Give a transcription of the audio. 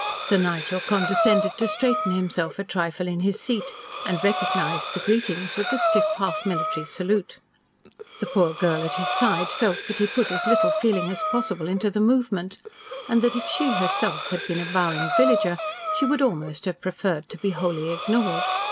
Sir Nigel condescended to straighten himself a trifle in his seat, and recognised the greetings with the stiff, half military salute. The poor girl at his side felt that he put as little feeling as possible into the movement, and that if she herself had been a bowing villager she would almost have preferred to be wholly ignored.